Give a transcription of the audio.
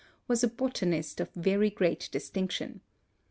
was a botanist of very great distinction.